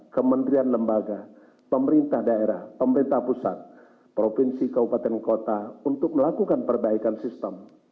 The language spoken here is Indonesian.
kementerian lembaga pemerintah daerah pemerintah pusat provinsi kabupaten kota untuk melakukan perbaikan sistem